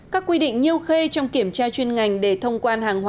các quy định nhiêu khê trong kiểm tra chuyên ngành để thông quan hàng hóa